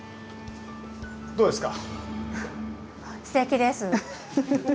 どうですか？